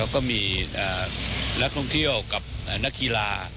ก็มีนักท่องเที่ยวกับนักกีฬา